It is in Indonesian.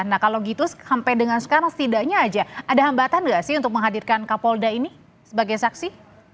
nah kalau gitu sampai dengan sekarang setidaknya aja ada hambatan nggak sih untuk menghadirkan kapolda ini sebagai saksi